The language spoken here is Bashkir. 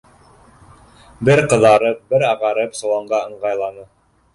Бер ҡыҙарып, бер ағарып, соланға ыңғайланы.